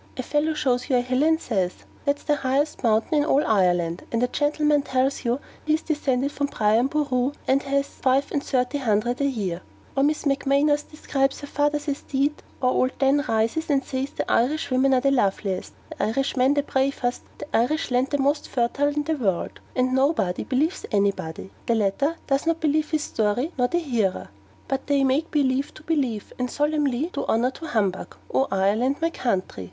A fellow shows you a hill and says, 'That's the highest mountain in all Ireland;' a gentleman tells you he is descended from Brian Boroo and has his five and thirty hundred a year; or Mrs. Macmanus describes her fawther's esteet; or ould Dan rises and says the Irish women are the loveliest, the Irish men the bravest, the Irish land the most fertile in the world: and nobody believes anybody the latter does not believe his story nor the hearer: but they make believe to believe, and solemnly do honour to humbug. O Ireland! O my country!